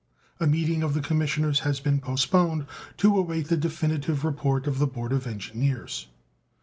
A meeting of the commissioners has been postponed, to await the definitive report of the board of engineers.